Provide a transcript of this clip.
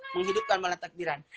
menghidupkan malam takbiran